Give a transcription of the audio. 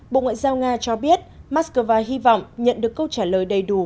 bộ ngoại giao nga cho biết moscow hy vọng nhận được câu trả lời đầy đủ